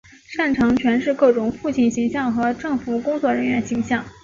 擅长诠释各种父亲形象和政府工作人员形象。